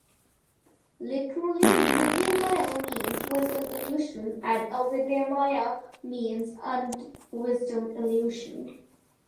Literally, "vidyamaya" means "wisdom-illusion", and "avidyamaya" means "un-wisdom-illusion".